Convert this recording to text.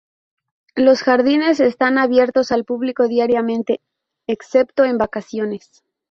Los jardines están abiertos al público diariamente excepto en vacaciones.